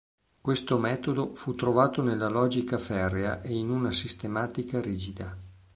Questo metodo fu trovato nella logica ferrea e in una sistematica rigida.